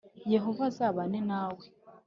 Yehova azabane nawe